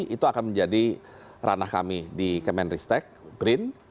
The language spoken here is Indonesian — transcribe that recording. itu akan menjadi ranah kami di kemenristek brin